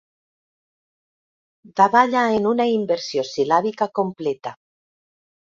Davalla en una inversió sil·làbica completa.